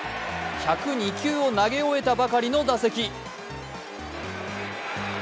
１０２球を投げ終えたばかりの打席。